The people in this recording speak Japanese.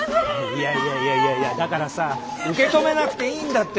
いやいやいやいやいやだからさ受け止めなくていいんだって。